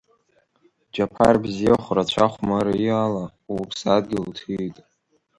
Џьаԥар бзиахә, рацәа хәмариала уԥсадгьыл уҭиит.